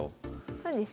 そうですね。